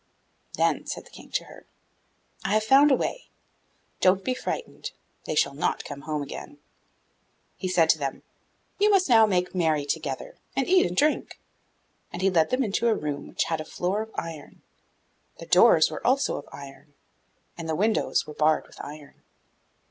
'Then,' said the King to her, 'I have found a way. Don't be frightened; they shall not come home again.' He said to them, 'You must now make merry together, and eat and drink,' and he led them into a room which had a floor of iron; the doors were also of iron, and the windows were barred with iron.